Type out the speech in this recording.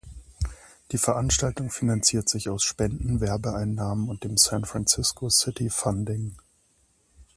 Die Veranstaltung finanziert sich aus Spenden, Werbeeinnahmen und dem San Francisco city funding.